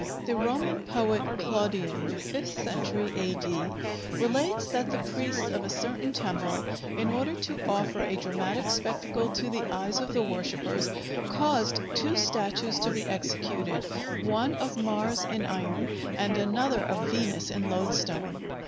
The Roman poet Claudian (fifth century A.D.) relates that the priests of a certain temple, in order to offer a dramatic spectacle to the eyes of the worshippers, caused two statues to be executed,—one of Mars in iron, and another of Venus in loadstone.